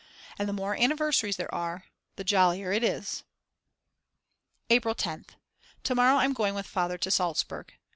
And the more anniversaries there are, the jollier it is. April 10th. To morrow I'm going with Father to Salzburg.